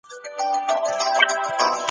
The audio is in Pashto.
د بدن حرکت زیات وي.